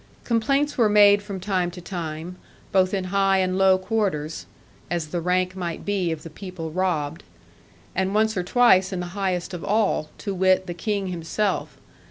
Complaints were made from time to time, both in high and low quarters (as the rank might be of the people robbed), and once or twice in the highest of all, to wit, the King himself.